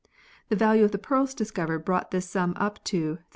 The value of the pearls discovered brought this sum up to 348,911.